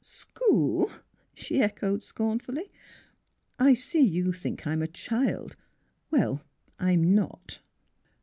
" School! " she echoed, scornfully. " I see you think I am a child. Well, I'm not."